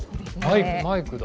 マイクだ。